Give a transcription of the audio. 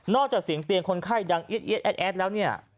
จากเสียงเตียงคนไข้ดังเอี๊ดแอดแล้วเนี่ย